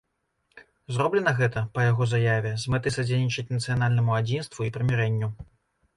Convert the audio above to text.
Зроблена гэта, па яго заяве, з мэтай садзейнічаць нацыянальнаму адзінству і прымірэнню.